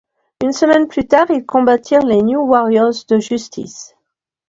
Une semaine plus tard, ils combattirent les New Warriors de Justice.